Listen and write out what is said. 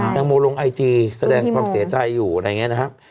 ลงไอจีแสดงความเสียใจอยู่อะไรอย่างนี้นะครับ